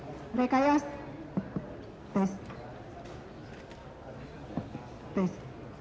sire kaya tes hai tes